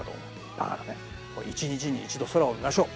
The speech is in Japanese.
だからね一日に一度空を見ましょう。